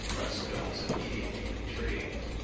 Presto was immediately intrigued.